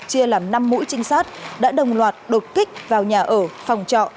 chia làm năm mũi trinh sát đã đồng loạt đột kích vào nhà ở phòng trọ